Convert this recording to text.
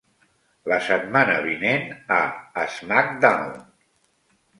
La setmana vinent, a SmackDown!